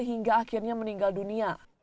hingga akhirnya meninggal dunia